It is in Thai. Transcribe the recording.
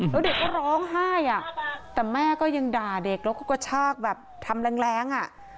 แล้วเด็กก็ร้องไห้อ่ะแต่แม่ก็ยังด่าเด็กแล้วก็กระชากแบบทำแรงอ่ะ